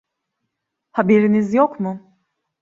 Haberiniz yok mu?